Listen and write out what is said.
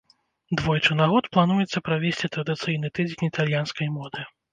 Двойчы на год плануецца правесці традыцыйны тыдзень італьянскай моды.